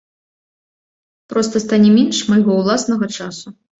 Проста стане менш майго ўласнага часу.